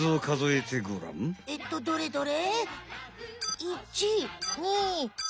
えっとどれどれ？